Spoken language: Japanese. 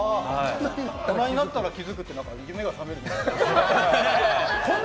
大人になったら気づくって夢が覚めるみたいな。